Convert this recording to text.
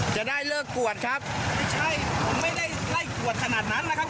จะได้เลิกกวดครับไม่ใช่ผมไม่ได้ไล่กวดขนาดนั้นนะครับ